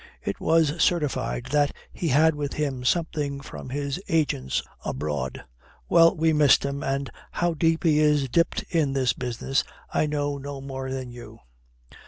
It was certified that he had with him something from his agents abroad. Well, we missed him, and how deep he is dipped in this business, I know no more than you.